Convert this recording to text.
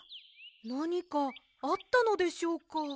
なにかあったのでしょうか？